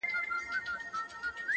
چا چي کړی په چاپلوس باندي باور دی-